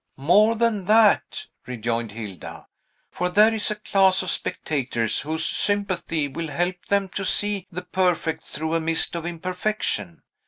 "More than that," rejoined Hilda; "for there is a class of spectators whose sympathy will help them to see the perfect through a mist of imperfection.